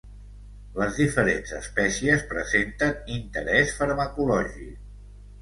Les diferents espècies presenten interès farmacològic.